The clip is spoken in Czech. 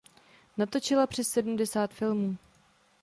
Natočila přes sedmdesát filmů.